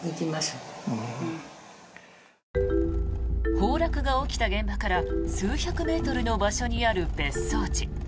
崩落が起きた現場から数百メートルの場所にある別荘地。